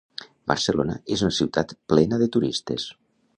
Barcelona es una ciutat plena de turistes.